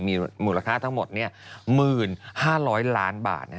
มีมูลค่าทั้งหมด๑๕๐๐ล้านบาท